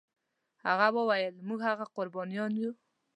هغه ویل موږ هغه قربانیان یو.